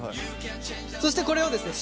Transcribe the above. そしてこれをですね